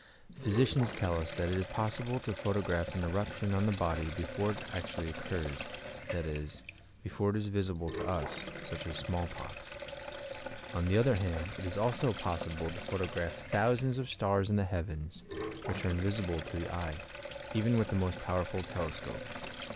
Physi cians tell us that it is possible to photograph an eruption on the body before it actually occurs, that is, before it iB visible to us (such as smallpox). On the other hand, it is also possible to photograph thousands of stars in the heavens, which are invisible to the eye, even with the most powerful telescope.